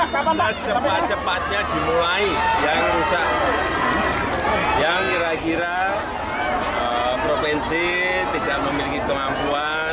kita secepat cepatnya dimulai yang rusak yang kira kira provinsi tidak memiliki kemampuan